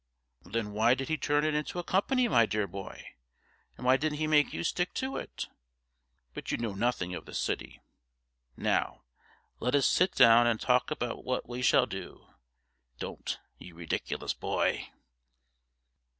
'Then why did he turn it into a company, my dear boy? And why didn't he make you stick to it? But you know nothing of the City. Now, let us sit down and talk about what we shall do don't, you ridiculous boy!'